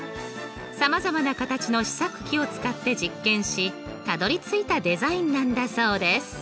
さまざまな形の試作機を使って実験したどりついたデザインなんだそうです。